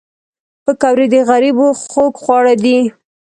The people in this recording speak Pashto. پکورې د غریبو خوږ خواړه دي